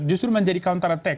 justru menjadi counter attack